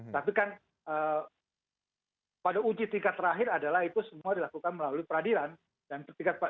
tapi kan pada uji tingkat terakhir adalah itu semua dilakukan melalui peradilan dan di peradilan inilah kemudian akan digelar dan ditujukan bukti bukti